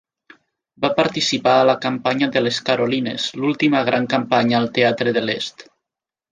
Va participar a la campanya de les Carolines, l'última gran campanya al Teatre de l'est.